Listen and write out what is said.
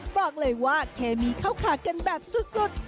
บอกเลยว่าเคมีเข้าขากันแบบสุด